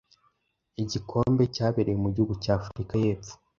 igikombe cyabereye mu gihugu cya Afurika y’Epfo